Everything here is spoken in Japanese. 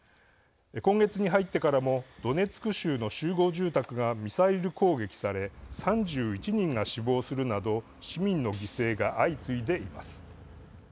今月に入ってからもドネツク州の集合住宅がミサイル攻撃され３１人が死亡するなど市民の犠牲が相次いでいます。